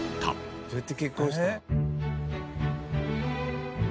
どうやって結婚したん？